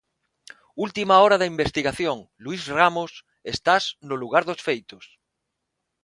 Última hora da investigación, Luís Ramos, estás no lugar dos feitos.